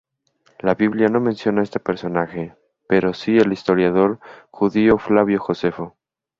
La Biblia no menciona a este personaje, pero sí el historiador judío Flavio Josefo.